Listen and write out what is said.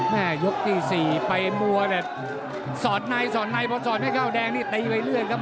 ยกที่๔ไปมัวแบบสอดในสอดในพอสอดไม่เข้าแดงนี่ตีไปเรื่อยครับ